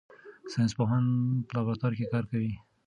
ساینس پوهان په لابراتوار کې کار کوي.